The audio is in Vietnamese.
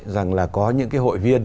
rằng là có những cái hội viên